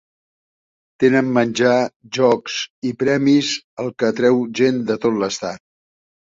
Tenen menjar, jocs, i premis, el que atreu gent de tot l'estat.